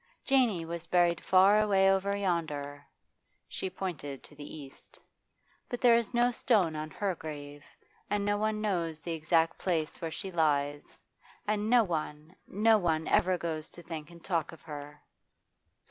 Janey was buried far away over yonder' she pointed to the east 'but there is no stone on her grave, and no one knows the exact place where she lies, and no one, no one ever goes to think and talk of her.